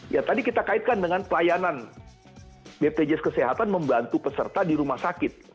ya tadi kita kaitkan dengan pelayanan bpjs kesehatan membantu peserta di rumah sakit